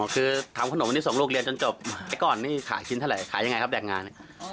อ๋อคือทำขนมนี้ส่งลูกเรียนจนจบก้อนนี่ขายชิ้นเท่าไรขายอย่างไรครับแหล่งงาน